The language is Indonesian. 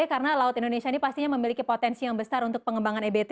karena laut indonesia ini pastinya memiliki potensi yang besar untuk pengembangan ebt